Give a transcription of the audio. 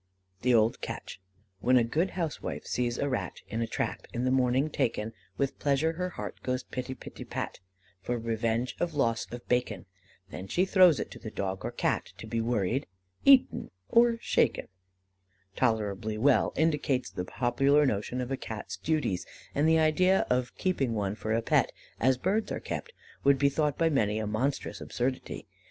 The Old Catch: "When a good housewife sees a rat In a trap in the morning taken, With pleasure her heart goes pitte pitte pat, For revenge of loss of bacon; Then she throws it to the Dog or Cat, To be worried, eat, or shaken," tolerably well indicates the popular notion of a Cat's duties, and the idea of keeping one for a pet, as birds are kept, would be thought by many a monstrous absurdity.